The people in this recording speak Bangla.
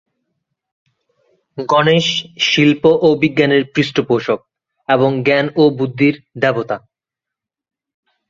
গণেশ শিল্প ও বিজ্ঞানের পৃষ্ঠপোষক এবং জ্ঞান ও বুদ্ধির দেবতা।